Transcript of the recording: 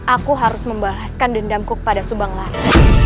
aku harus membalaskan dendamku kepada subang lama